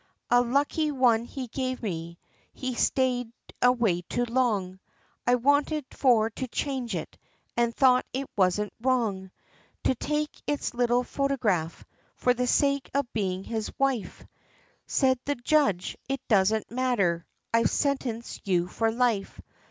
A lucky one he gave me, he stayed away too long. I wanted for to change it, and thought it wasn't wrong To take its little photograph, for the sake of bein' his wife." Said the Judge, "It doesn't matter, I've sentenced you for life!"